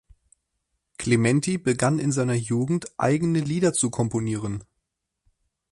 Clementi begann in seiner Jugend eigene Lieder zu komponieren.